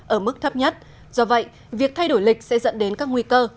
ở mức thấp nhất do vậy việc thay đổi lịch sẽ dẫn đến các nguy cơ